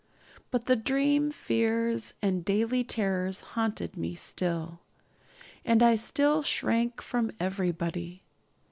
But the dream fears and the daily terrors haunted me still; and I still shrank from everybody.